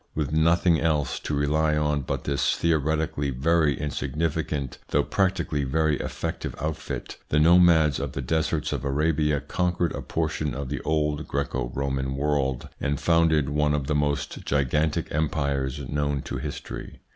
With nothing else to rely on but this theoretically very insignificant though practically very effective outfit, the nomads of the deserts of Arabia conquered a portion of the old Greco Roman world and founded one of the most giganic empires known to history.